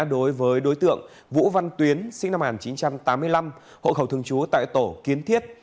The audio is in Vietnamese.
đối với đối tượng vũ văn tuyến sinh năm một nghìn chín trăm tám mươi năm hộ khẩu thường trú tại tổ kiến thiết